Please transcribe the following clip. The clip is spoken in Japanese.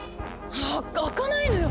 あっ開かないのよ！